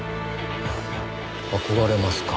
憧れますか。